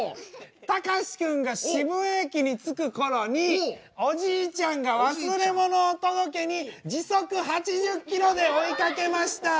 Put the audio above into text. たかしくんが渋谷駅に着く頃におじいちゃんが忘れ物を届けに時速８０ｋｍで追いかけました。